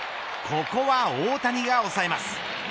ここは大谷が抑えます。